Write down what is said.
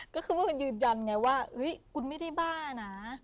ก็คือว่าคุณยืนยันไงว่าคุณไม่ได้บ้านะ